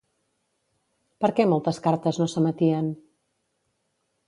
Per què moltes cartes no s'emetien?